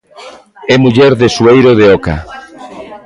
E muller de Sueiro de Oca.